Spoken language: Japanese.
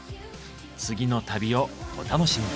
次の旅をお楽しみに。